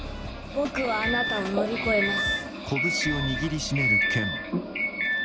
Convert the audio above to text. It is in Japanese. ぼくはあなたを乗り越えます。